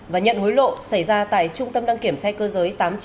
và nhận hối lộ xảy ra tại trung tâm đăng kiểm xe cơ giới